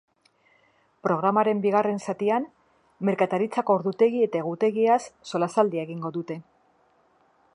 Programaren bigarren zatian merkataritzako ordutegi eta egutegiaz solasaldia egingo dute.